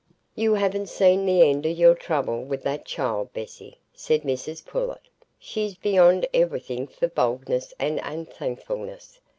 "You haven't seen the end o' your trouble wi' that child, Bessy," said Mrs Pullet; "she's beyond everything for boldness and unthankfulness.